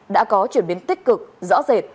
đã có chuyển biến tích cực rõ rệt